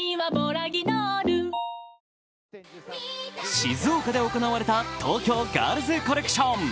静岡で行われた東京ガールズコレクション。